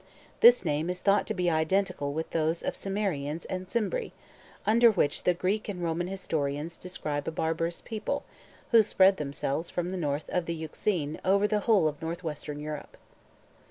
This name is thought to be identical with those of Cimmerians and Cimbri, under which the Greek and Roman historians describe a barbarous people, who spread themselves from the north of the Euxine over the whole of Northwestern Europe.